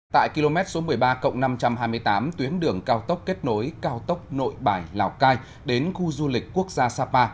tại km số một mươi ba năm trăm hai mươi tám tuyến đường cao tốc kết nối cao tốc nội bài lào cai đến khu du lịch quốc gia sapa